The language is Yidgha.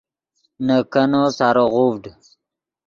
نے کینیکو سارو غوڤڈ